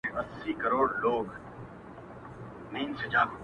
o ځوان ژاړي سلگۍ وهي خبري کوي.